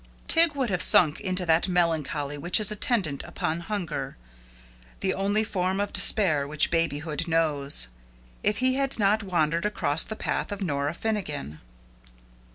Tig would have sunk into that melancholy which is attendant upon hunger, the only form of despair which babyhood knows, if he had not wandered across the path of Nora Finnegan.